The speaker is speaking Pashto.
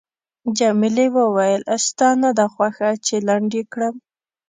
جميلې وويل:، ستا نه ده خوښه چې لنډ یې کړم؟